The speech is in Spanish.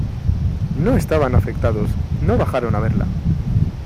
no estaban afectados. no bajaron a verla